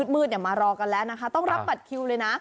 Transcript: มืดมารอกันแล้วนะคะต้องรับบัตรคิวเลยนะ